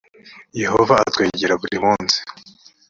yehova atwegera burimunsi.